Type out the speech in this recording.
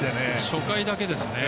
初回だけですね。